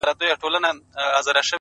وخت د ارمانونو ازموینوونکی دی